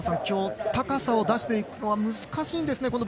今日は高さを出していくのが難しいんですね。